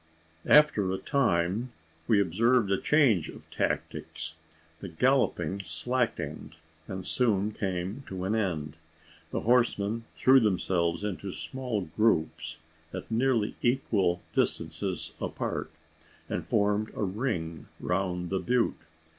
After a time, we observed a change of tactics. The galloping slackened, and soon came to an end. The horsemen threw themselves into small groups, at nearly equal distances apart, and forming a ring round the butte.